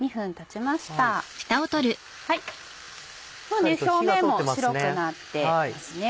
もう表面も白くなっていますね。